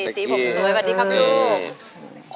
สีผมสวยสวัสดีครับลูก